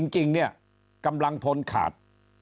จริงนี้กำลังทนขาด